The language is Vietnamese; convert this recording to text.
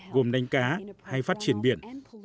gồm đánh cá hay phát triển biển